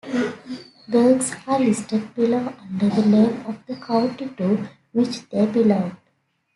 Burghs are listed below under the name of the county to which they belonged.